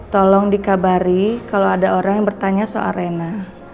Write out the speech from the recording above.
tolong dikabari kalau ada orang yang bertanya soal rena